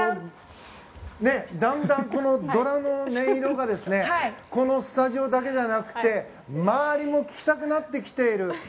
だんだんドラの音色がこのスタジオだけじゃなくて周りも聞きたくなってきている。